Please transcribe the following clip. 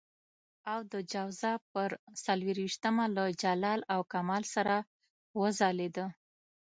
او د جوزا پر څلور وېشتمه له جلال او کمال سره وځلېده.